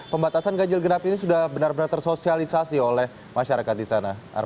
kita akan berlali menuju ke jalan garuda